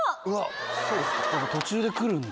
途中でくるんだ。